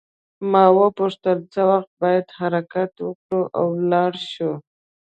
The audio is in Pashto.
ما وپوښتل څه وخت باید حرکت وکړو او ولاړ شو.